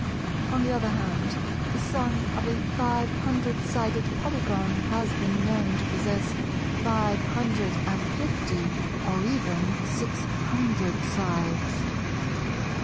On the other hand the son of a five hundred sided Polygon has been known to possess five hundred and fifty, or even six hundred sides.